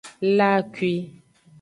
La akwi.